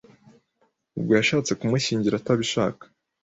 ubwo yashatse kumushyingira atabishaka